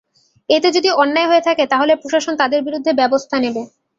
এতে যদি অন্যায় হয়ে থাকে তাহলে প্রশাসন তাঁদের বিরুদ্ধে ব্যবস্থা নেবে।